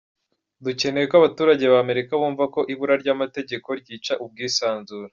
Dukeneye ko abaturage ba Amerika bumva ko ibura ryamategeko ryica ubwisanzure ».